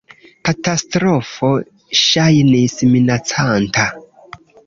Katastrofo ŝajnis minacanta.